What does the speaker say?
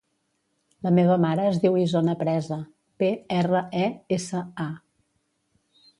La meva mare es diu Isona Presa: pe, erra, e, essa, a.